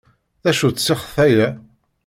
D acu-tt ssixṭa-a?